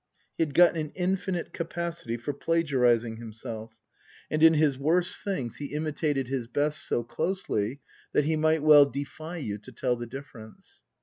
He had got an infinite capacity for plagiarizing himself ; and in his worst things he Book II: Her Book 199 imitated his best so closely that he might well defy you to tell the difference.